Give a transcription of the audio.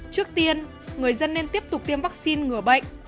trước tiên người dân nên tiếp tục tiêm vaccine ngừa bệnh